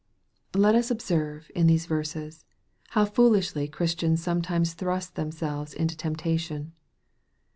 Let us observe in these verses, how foolishly Christian* sometimes thrust themselves into temptation.